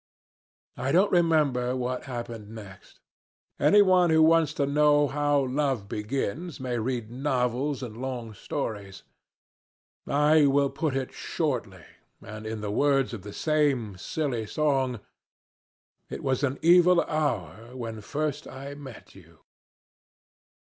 I don't remember what happened next. Anyone who wants to know how love begins may read novels and long stories; I will put it shortly and in the words of the same silly song: "It was an evil hour When first I met you."